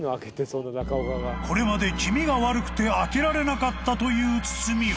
［これまで気味が悪くて開けられなかったという包みを］